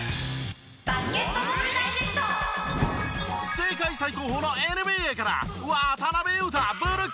世界最高峰のＮＢＡから。